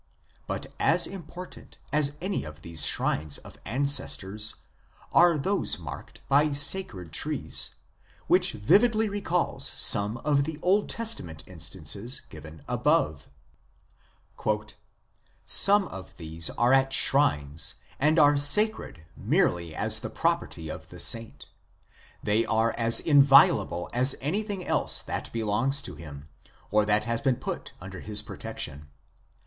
But as important as any of these shrines of ancestors are those marked by sacred trees, which vividly recalls i Op. cit., pp. 85 f. 106 IMMORTALITY AND THE UNSEEN WORLD some of the Old Testament instances given above. " Some of these are at shrines, and are sacred merely as the property of the saint. They are as inviolable as anything else that belongs to him, or that has been put under his protection.